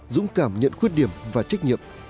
dũng cảm nhận khuyết điểm và trách nhiệm